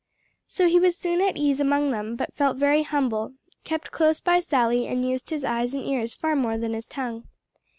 So he was soon at ease among them; but felt very humble, kept close by Sally and used his eyes and ears far more than his tongue.